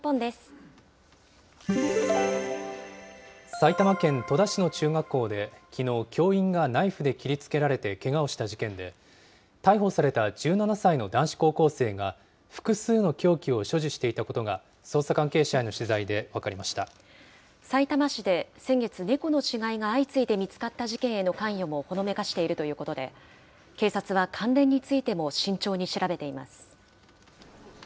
埼玉県戸田市の中学校できのう、教員がナイフで切りつけられてけがをした事件で、逮捕された１７歳の男子高校生が、複数の凶器を所持していたことが、捜査関係者への取材で分かりましさいたま市で先月、猫の死骸が相次いで見つかった事件への関与もほのめかしているということで、警察は関連についても慎重に調べています。